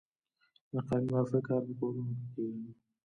د قالینبافۍ کار په کورونو کې کیږي؟